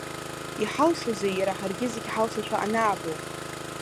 Иҳалшозеи иара ҳаргьы зегь ҳалшошәа анаабо.